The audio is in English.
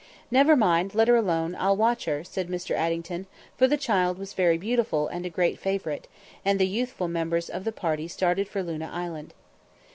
"Never mind let her alone I'll watch her," said Mr. Addington, for the child was very beautiful and a great favourite, and the youthful members of the party started for Luna Island.